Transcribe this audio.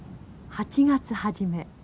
８月初め